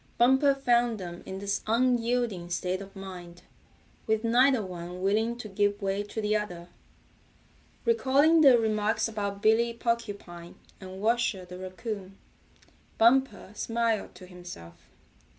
Bumper found them in this unyielding state of mind, with neither one willing to give way to the other. Recalling their remarks about Billy Porcupine and Washer the Raccoon, Bumper smiled to himself.